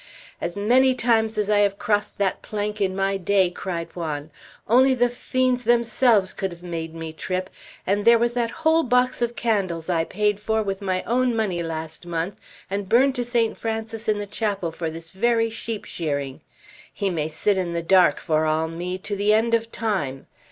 "As many times as I have crossed that plank, in my day!" cried Juan; "only the fiends themselves could have made me trip; and there was that whole box of candles I paid for with my own money last month, and burned to Saint Francis in the chapel for this very sheep shearing! He may sit in the dark, for all me, to the end of time!